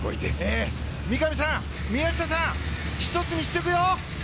三上さん、宮下さん一つにしていくよ。